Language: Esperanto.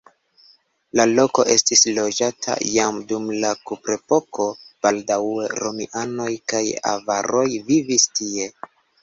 La loko estis loĝata jam dum la kuprepoko, baldaŭe romianoj kaj avaroj vivis tie.